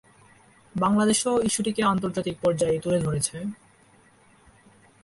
বাংলাদেশও ইস্যুটিকে আন্তর্জাতিক পর্যায়ে তুলে ধরেছে।